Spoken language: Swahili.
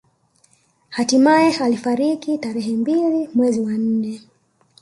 Hatimae alifariki tarehe mbili mwezi wa nne